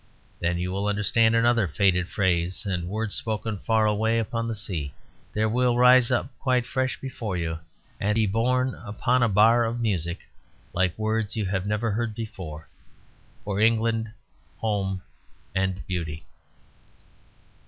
Then you will understand another faded phrase and words spoken far away upon the sea; there will rise up quite fresh before you and be borne upon a bar of music, like words you have never heard before: "For England, home, and beauty."